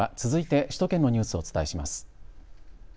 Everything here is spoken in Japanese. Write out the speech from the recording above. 続いて首都圏のニュースをお伝えします。